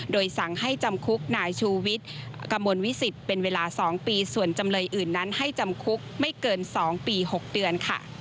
โดยสั่งให้จำคุกนายชูวิทย์กระมวลวิสิตเป็นเวลา๒ปีส่วนจำเลยอื่นนั้นให้จำคุกไม่เกิน๒ปี๖เดือนค่ะ